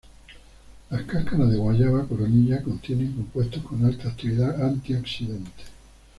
Las cáscaras de guayaba coronilla contienen compuestos con alta actividad antioxidante.